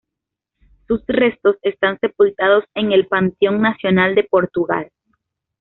Sus restos están sepultados en el Panteón Nacional de Portugal.